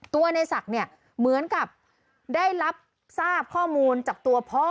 ตัวในศักดิ์เนี่ยเหมือนกับได้รับทราบข้อมูลจากตัวพ่อ